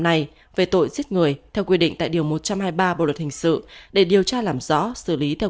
này về tội giết người theo quy định tại điều một trăm hai mươi ba bộ luật hình sự để điều tra làm rõ xử lý theo